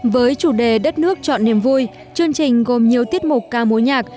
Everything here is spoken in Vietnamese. với chủ đề đất nước chọn niềm vui chương trình gồm nhiều tiết mục ca mối nhạc